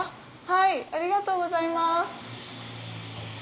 ありがとうございます。